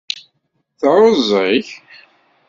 Teɛẓeg?